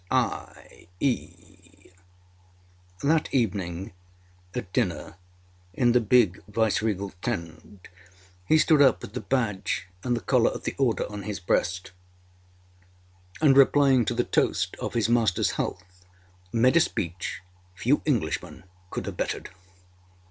C.I.E. That evening, at dinner in the big Viceregal tent, he stood up with the badge and the collar of the Order on his breast, and replying to the toast of his masterâs health, made a speech few Englishmen could have bettered.